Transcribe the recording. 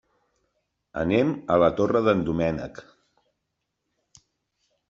Anem a la Torre d'en Doménec.